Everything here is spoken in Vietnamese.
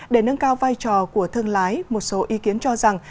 để nâng cao vai trò của thương lái một số ý kiến cho rằng